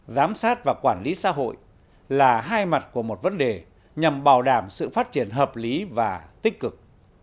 giám sát và quản lý xã hội là hai mặt của một vấn đề nhằm bảo đảm sự phát triển hợp lý và tích cực